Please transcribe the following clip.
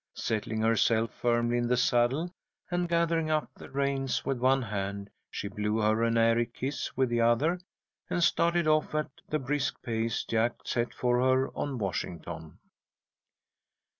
Settling herself firmly in the saddle and gathering up the reins with one hand, she blew her an airy kiss with the other, and started off at the brisk pace Jack set for her on Washington.